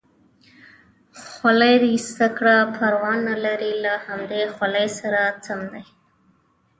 خولۍ دې ایسته کړه، پروا نه لري له همدې خولۍ سره سم دی.